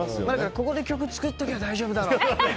ここで曲作っておけば大丈夫だろうと。